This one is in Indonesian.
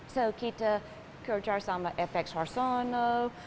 jadi kita kerja sama fx horsono